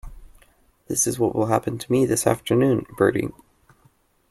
That is what will happen to me this afternoon, Bertie.